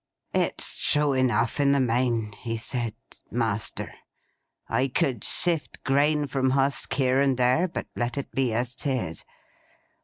'It's true enough in the main,' he said, 'master, I could sift grain from husk here and there, but let it be as 'tis.